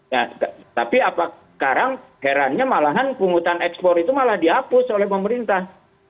ya tapi apa sekarang herannya malahan pungutan ekspor itu malah dihapus oleh pemerintah